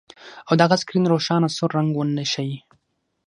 او د هغه سکرین روښانه سور رنګ ونه ښيي